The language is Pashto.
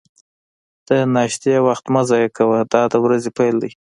د ناشتې وخت مه ضایع کوه، دا د ورځې پیل دی.